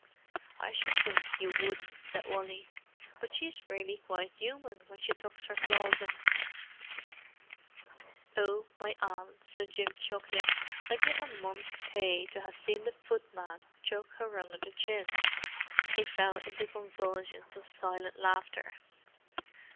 "I should think you wouldn't," said Wally. "But she's really quite human when she tucks her claws in." "Oh, my aunt!" said Jim, chuckling. "I'd give a month's pay to have seen the footman chuck her under the chin!" They fell into convulsions of silent laughter.